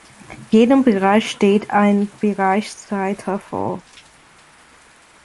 Jedem Bereich steht ein Bereichsleiter vor.